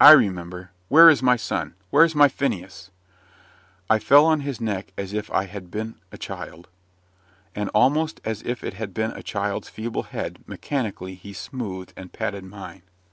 I remember. Where is my son where's my Phineas?" I fell on his neck as if I had been a child. And almost as if it had been a child's feeble head, mechanically he smoothed and patted mine.